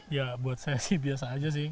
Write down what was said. ya buat saya sih biasa aja sih